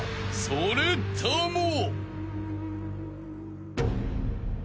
それとも］